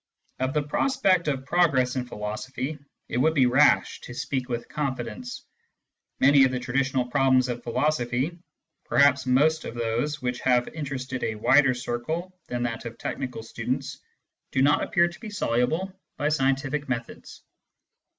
Of the prospect of progress in philosophy, it would be rash to speak with confidence. Many of the traditional problems of philosophy, perhaps most of those which have interested a wider circle than that of technical students, do not appear to be soluble by scientific methods.